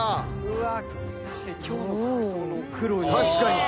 確かに今日の服装の黒に。